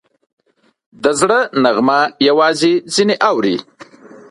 د زړه نغمه یوازې ځینې اوري